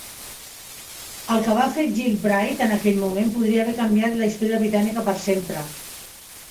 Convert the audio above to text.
El que va fer Gille Brigte en aquell moment podria haver canviat la història britànica per sempre.